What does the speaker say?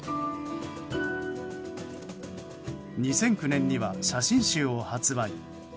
２００９年には写真集を発売。